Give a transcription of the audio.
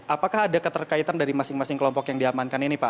apakah ada keterkaitan dari masing masing kelompok yang diamankan ini pak